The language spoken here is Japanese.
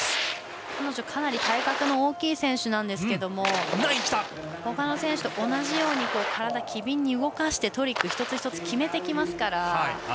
彼女、かなり体格の大きい選手なんですけれどもほかの選手と同じように体を機敏に動かしてトリック一つ一つ決めてきますから。